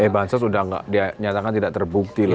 bansos sudah dinyatakan tidak terbukti loh